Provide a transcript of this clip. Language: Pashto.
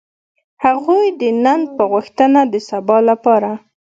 هغوی د نن په غوښتنه د سبا لپاره.